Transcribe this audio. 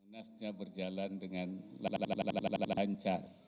nasnya berjalan dengan lalala lalala lancar